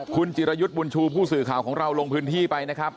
คุณจิรยุทธ์บุญชูผู้สื่อข่าวของเราลงพื้นที่ไปนะครับ